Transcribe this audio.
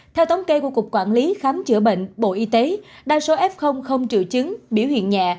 theo thống kê của cục quản lý khám chữa bệnh bộ y tế đa số f không triệu chứng biểu hiện nhẹ